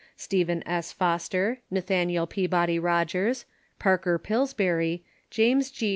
Stephen S. Foster, Nathaniel Peabody Rogers, Parker Pillsbury, James G.